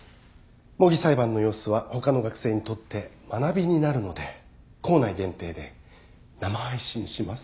模擬裁判の様子は他の学生にとって学びになるので校内限定で生配信します。